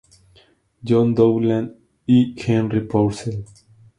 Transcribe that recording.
John Dowland y Henry Purcell.